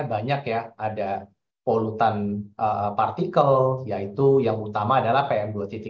banyak ya ada polutan partikel yaitu yang utama adalah pm dua